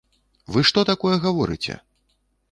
Вы што такое гаворыце!